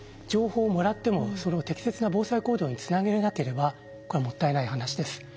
情報をもらってもそれを適切な防災行動につなげれなければこれはもったいない話です。